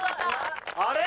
あれ？